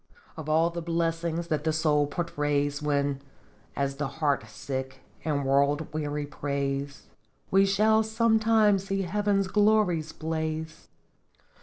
" Of all the blessings that the soul portrays When, as the heart sick and world wearied prays, We shall some time see heaven's glories blaze.